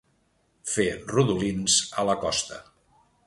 Fer rodolins a la costa.